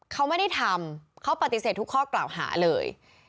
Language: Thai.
เขาไม่ได้ทำเขาปฏิเสธทุกข้อกล่าวหาเลย